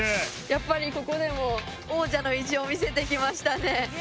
やっぱりここでも王者の意地を見せてきましたね